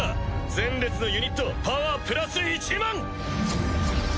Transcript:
前列のユニットパワープラス１００００！